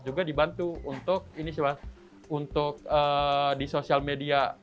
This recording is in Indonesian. juga dibantu untuk di sosial media